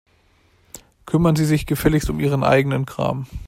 Kümmern Sie sich gefälligst um Ihren eigenen Kram.